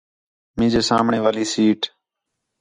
مینجے سامݨے والی سیٹ